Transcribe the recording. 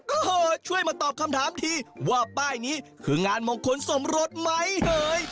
โอ้โหช่วยมาตอบคำถามทีว่าป้ายนี้คืองานมงคลสมรสไหมเหย